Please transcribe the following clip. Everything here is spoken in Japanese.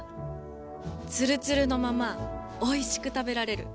つるつるのままおいしく食べられる。